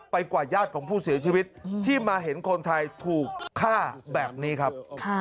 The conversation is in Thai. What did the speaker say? กว่าญาติของผู้เสียชีวิตที่มาเห็นคนไทยถูกฆ่าแบบนี้ครับ